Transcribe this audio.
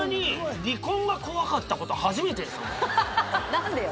何でよ？